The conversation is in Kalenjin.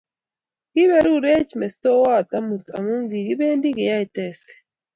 Kiberur ech mestowot amut amu kikibende keyaye testi